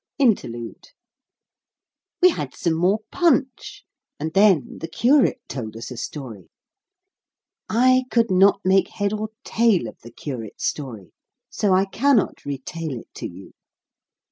INTERLUDE We had some more punch, and then the curate told us a story. I could not make head or tail of the curate's story, so I cannot retail it to you.